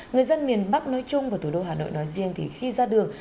người dân miền bắc nói chung và thủ đô hà nội nói riêng thì khi ra đường